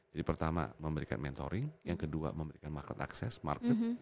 jadi pertama memberikan mentoring yang kedua memberikan market access market